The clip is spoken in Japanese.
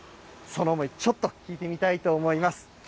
その思い、ちょっと聞いてみたいと思います。